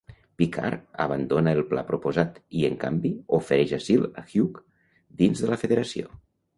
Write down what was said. Picard abandona el pla proposat i, en canvi, ofereix asil a Hugh dins de la Federació.